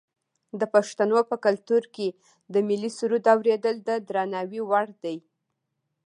د پښتنو په کلتور کې د ملي سرود اوریدل د درناوي وړ دي.